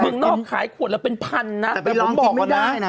มึงนอกขายขวดเราเป็นพันนะแต่ผมบอกก่อนนะ